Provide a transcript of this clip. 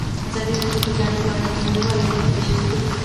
ازادي راډیو د بیکاري په اړه نړیوالې اړیکې تشریح کړي.